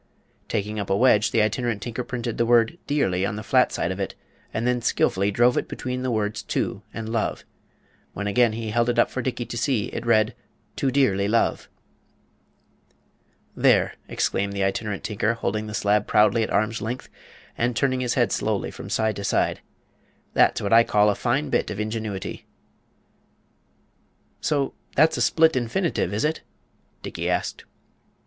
Taking up a wedge the Itinerant Tinker printed the word DEARLY on the flat side of it, and then skilfully drove it between the words TO and LOVE. When he again held it up for Dickey to see, it read: TO DEARLY LOVE. "There!" exclaimed the Itinerant Tinker, holding the slab proudly at arm's length and turning his head slowly from side to side, "that's what I call a fine bit of ingenuity!" "So that's a split infinitive, is it?" Dickey asked.